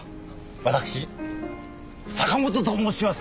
私坂本と申します。